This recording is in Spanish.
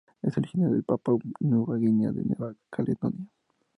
Es originario de Papúa Nueva Guinea y de Nueva Caledonia.